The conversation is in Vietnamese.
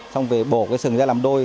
xong về bổ cái sừng ra làm đôi